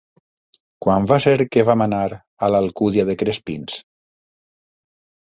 Quan va ser que vam anar a l'Alcúdia de Crespins?